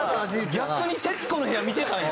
逆に『徹子の部屋』見てたんや。